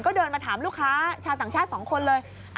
ก็เดินมาถามลูกค้าชาวต่างชาติ๒คนเลย